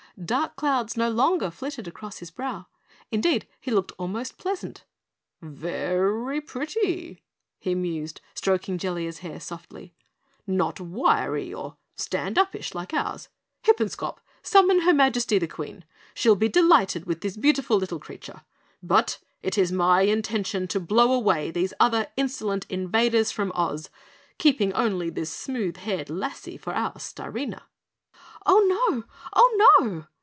Dark clouds no longer flitted across his brow. Indeed, he looked almost pleasant. "Ve ry pret ty!" he mused, stroking Jellia's hair softly. "Not wiry or stand uppish like ours. Hippenscop! Summon her Majesty the Queen. She'll be delighted with this beautiful little creature! But it is my intention to blow away these other insolent invaders from Oz keeping only this smooth haired lassie for our Starina." "Oh, No! Oh, NO!"